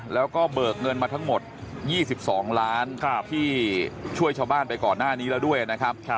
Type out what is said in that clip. แล้วก็เบิกเงินมาทั้งหมด๒๒ล้านที่ช่วยชาวบ้านไปก่อนหน้านี้แล้วด้วยนะครับ